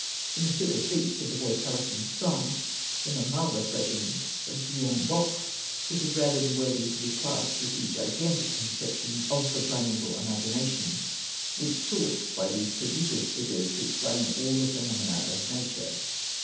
The mysterious beast of the boy Taliesin's song, in the marvellous legend of Gwion Bach, is a dragon worthy to be classed with the gigantic conceptions of the primeval imagination, which sought by these prodigious figures to explain all the phenomena of nature.